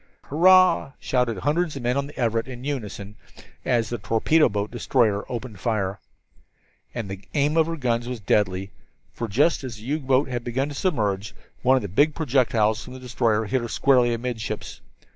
"Hurrah!" shouted hundreds of men on the Everett in unison as the torpedo boat destroyer opened fire. And the aim of her gunners was deadly! for just as the U boat began to submerge, one of the big projectiles from the destroyer hit her squarely amidships.